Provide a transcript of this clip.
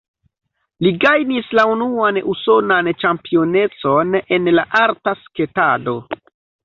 Li gajnis la unuan usonan ĉampionecon en la arta sketado.